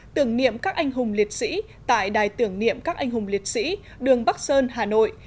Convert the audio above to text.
tưởng niệm các anh hùng liệt sĩ tại đài tưởng niệm các anh hùng liệt sĩ đường bắc sơn hà nội